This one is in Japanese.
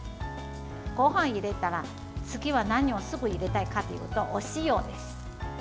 ごはんを入れたら、次は何をすぐ入れたいかというとお塩です。